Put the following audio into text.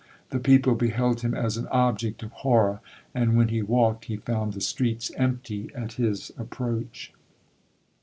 The people beheld him as an object of horror; and when he walked, he found the streets empty at his approach.